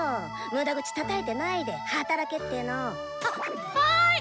無駄口たたいてないで働けっての。ははい！